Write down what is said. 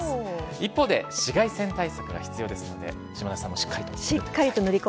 一方で紫外線対策が必要ですので島田さんもしっかりとしてください。